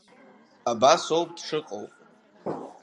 Абас ауп дшыҟоу.